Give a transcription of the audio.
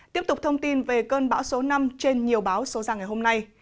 tiếp tục thông tin về cơn bão số năm trên nhiều báo số ra ngày hôm nay